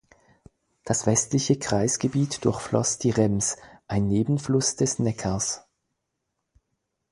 Das westliche Kreisgebiet durchfloss die Rems, ein Nebenfluss des Neckars.